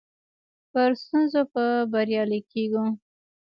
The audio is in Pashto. پر ستونزو به بريالي کيږو.